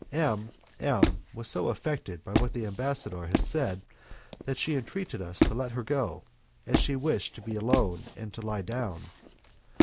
M M was so affected by what the ambassador had said that she entreated us to let her go, as she wished to be alone and to lie down.